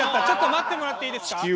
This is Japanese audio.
ちょっと待ってもらっていいですか？